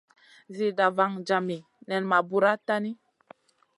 Zida vaŋ jami nen ma bura tahni.